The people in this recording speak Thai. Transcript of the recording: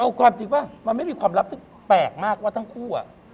เอาความจริงป่ะมันไม่มีความลับที่แปลกมากว่าทั้งคู่อ่ะ